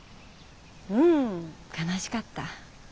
うん悲しかった。